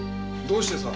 どうしてさ？